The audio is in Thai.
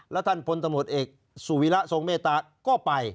แล้วท่านพลตำรวจเอกสุวิระทรงเมตตาก็ไป